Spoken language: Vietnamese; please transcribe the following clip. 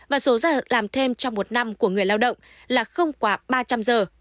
và số giờ làm thêm trong một năm của người lao động là không quá ba trăm linh giờ